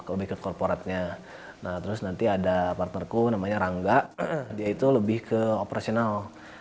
lebih ke corporatnya nah terus nanti ada partnerku namanya rangga dia itu lebih ke operasional